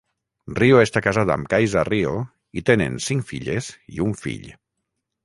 Rio està casat amb Kaisa Rio i tenen cinc filles i un fill.